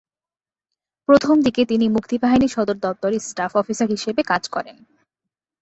প্রথম দিকে তিনি মুক্তিবাহিনীর সদর দপ্তরে স্টাফ অফিসার হিসেবে কাজ করেন।